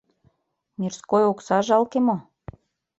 Мирской окса жалке мо?